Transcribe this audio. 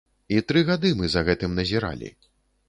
І тры гады мы за гэтым назіралі.